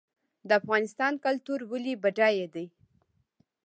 د افغانستان کلتور ولې بډای دی؟